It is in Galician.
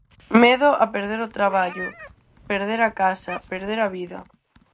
Medo a perder o traballo, perder a casa, perder a vida.